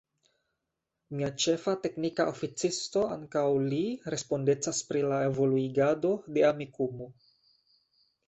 Mia Ĉefa Teknika Oficisto ankaŭ li respondecas pri la evoluigado de Amikumu